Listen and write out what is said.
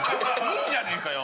いいじゃねえかよ